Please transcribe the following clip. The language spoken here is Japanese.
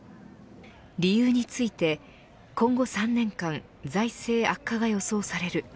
理由について今後３年間財政悪化が予想される。